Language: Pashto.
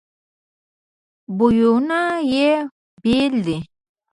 بویونه یې بیل دي.